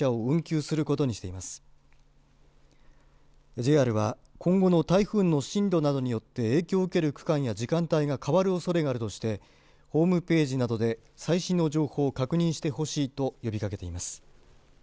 ＪＲは今後の台風の進路などによって影響を受ける区間や時間帯が変わるおそれがあるとしてホームページなどで最新の情報を確認してほしいと呼びかけています。